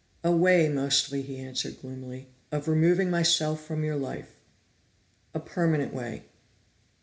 "A way, mostly," he answered gloomily, "of removing myself from your life. A permanent way."